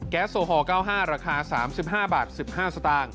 แก๊สโซฮอล์๙๕ราคา๓๕บาท๑๕สต